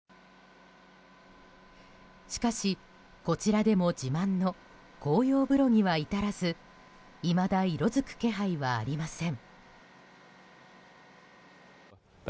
しかし、こちらでも自慢の紅葉風呂には至らずいまだ色づく気配はありません。